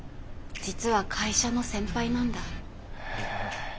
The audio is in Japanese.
実は会社の先輩なんだ。え。